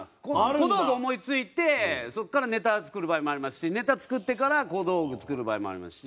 小道具思い付いてそこからネタ作る場合もありますしネタ作ってから小道具作る場合もありますし。